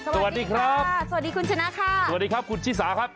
สวัสดีครับสวัสดีคุณชนะค่ะสวัสดีครับคุณชิสาครับ